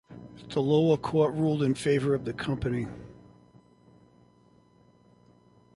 The lower court ruled in favor of the company.